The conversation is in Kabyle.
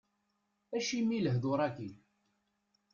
Acimi lehdur-agi?